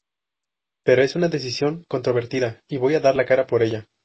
Pero es una decisión controvertida, y voy a dar la cara por ella.